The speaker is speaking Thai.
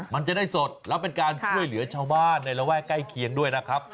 มันจะได้สดแล้วเป็นการช่วยเหลือชาวบ้านในระแวกใกล้เคียงด้วยนะครับ